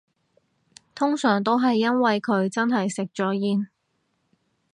通常都係因為佢真係食咗煙